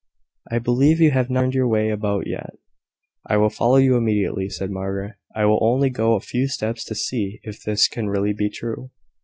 I believe you have not learned your way about yet." "I will follow you immediately," said Margaret: "I will only go a few steps to see if this can really be true."